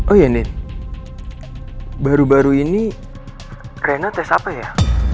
oh iya nin baru baru ini rena tes apa ya